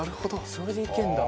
それでいけるんだ。